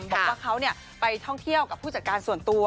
บอกว่าเขาไปท่องเที่ยวกับผู้จัดการส่วนตัว